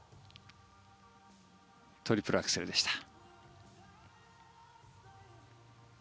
トリプルアクセルでした。